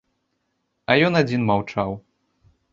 А ён адзін маўчаў.